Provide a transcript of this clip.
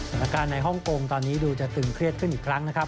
สถานการณ์ในฮ่องกงตอนนี้ดูจะตึงเครียดขึ้นอีกครั้งนะครับ